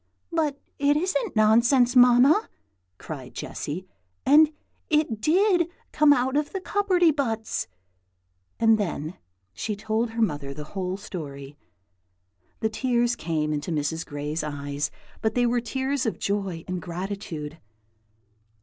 "But it isn't nonsense, Mamma!" cried Jessy, "and it did come out of the cupperty buts!" And then she told her mother the whole story. The tears came into Mrs. Gray's eyes, but they were tears of joy and gratitude.